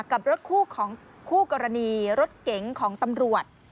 กับรถคู่ของคู่กรณีรถเก๋งของตำรวจ